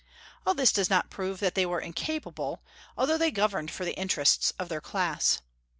All this does not prove that they were incapable, although they governed for the interests of their class.